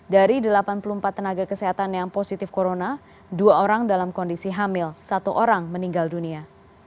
dari delapan puluh empat tenaga kesehatan yang positif corona dua orang dalam kondisi hamil satu orang meninggal dunia